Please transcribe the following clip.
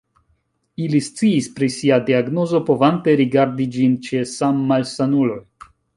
Ili sciis pri sia diagnozo, povante rigardi ĝin ĉe sammalsanuloj.